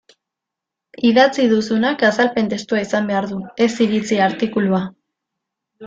Idatzi duzunak azalpen testua izan behar du, ez iritzi artikulua.